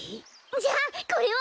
じゃあこれは？